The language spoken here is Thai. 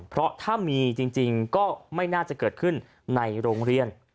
เพราะถ้ามีจริงก็ไม่น่าจะเกิดขึ้นในโรงเรียน